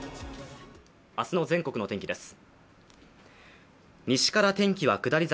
明日の全国の天気です。